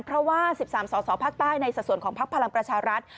เพราะว่า๑๓สสภาคใต้ในสัดส่วนของพักพลังประชารัฐ